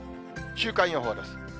週間予報です。